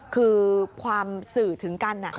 คือความสื่อถึงกัน